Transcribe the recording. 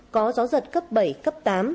có gió giật cấp bảy cấp tám